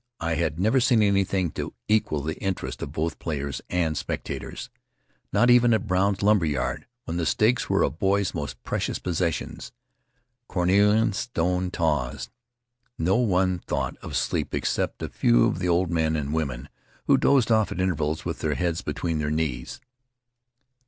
I had never seen anything to equal the interest of both players and spectators; not even at Rutiaro Brown's lumber yard when the stakes were a boy's most precious possessions, cornelian stone taws. No one thought of sleep except a few of the old men and women, who dozed off at intervals with their heads between their knees.